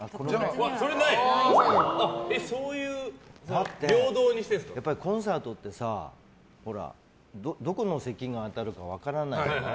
だってコンサートってどこの席に当たるか分からないじゃない。